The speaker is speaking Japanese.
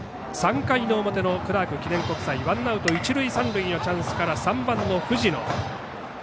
３回表のクラーク記念国際ワンアウト、一塁三塁のチャンスから３番の藤野。